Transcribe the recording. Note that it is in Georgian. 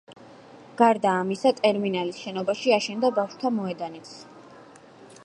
გარდა ამისა, ტერმინალის შენობაში აშენდა ბავშვთა მოედანიც.